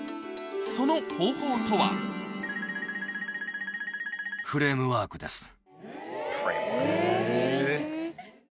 その方法とはへぇ。